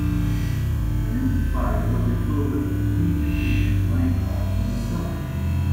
An empty pile will be filled up immediately by a card from the stock.